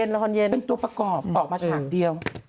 ละครเย็นเป็นตัวประกอบออกมาฉากเดียว